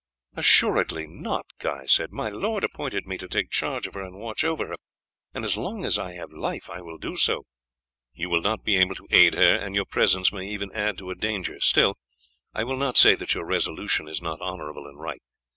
"Assuredly not!" Guy said. "My lord appointed me to take charge of her and watch over her, and as long as I have life I will do so." "You will not be able to aid her, and your presence may even add to her danger. Still, I will not say that your resolution is not honourable and right.